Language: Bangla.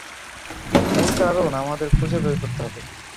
মূল কারণ আমাদের খুঁজে বের করতে হবে।